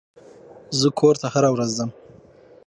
زه کور ته هره ورځ ځم.